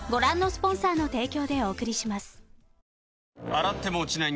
洗っても落ちない